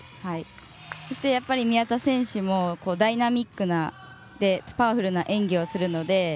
そして、宮田選手もダイナミックでパワフルな演技をするので。